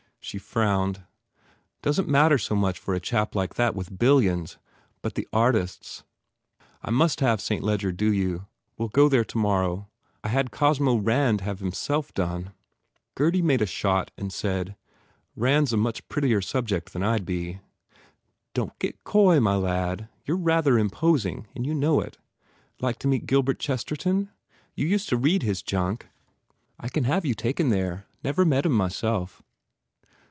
She frowned. "Doesn t matter so much for a chap like that with billions but the artists. I must have St. Ledger do you. We ll go there to morrow. I had Cosmo Rand have himself done." Gurdy made a shot and said, "Rand s a much prettier subject than I d be." "Don t get coy, my lad! You re rather im posing and you know it. Like to meet Gilbert Chesterton? You used to read his junk. I can 126 MARGOT have you taken there. Never met him, myself.